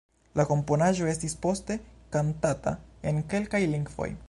La komponaĵo estis poste kantata en kelkaj lingvoj.